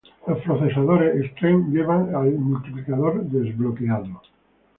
Los procesadores "Extreme" llevan el multiplicador desbloqueado.